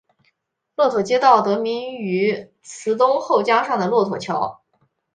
骆驼街道得名于慈东后江上的骆驼桥。